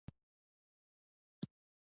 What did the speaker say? احمد مې نن غلی کړ.